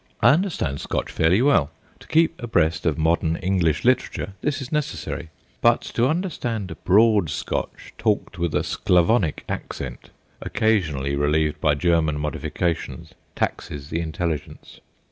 I understand Scotch fairly well to keep abreast of modern English literature this is necessary, but to understand broad Scotch talked with a Sclavonic accent, occasionally relieved by German modifications, taxes the intelligence.